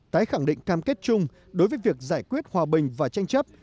tái khẳng định cam kết chung đối với việc giải quyết hòa bình và tranh chấp